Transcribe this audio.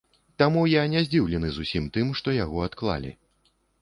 Таму я не здзіўлены зусім тым, што яго адклалі.